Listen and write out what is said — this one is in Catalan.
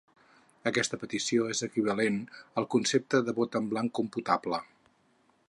Aquesta petició és equivalent al concepte de vot en blanc computable.